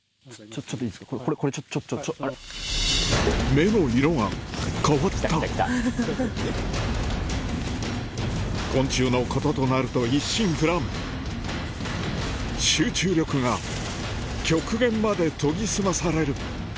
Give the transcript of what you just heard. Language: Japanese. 目の色が変わった昆虫のこととなると一心不乱集中力が極限まで研ぎ澄まされる